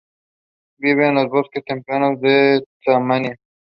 Vive en los bosques templados de Tasmania.